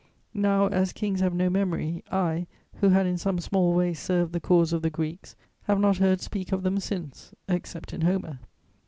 Now, as kings have no memory, I, who had in some small way served the cause of the Greeks, have not heard speak of them since, except in Homer.